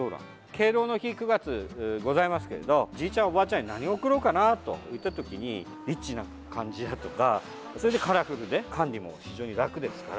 敬老の日、９月ございますけれどおじいちゃん、おばあちゃんに何を贈ろうかなといった時にリッチな感じだとか、カラフルで管理も非常に楽ですから。